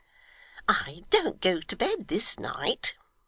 'I don't go to bed this night!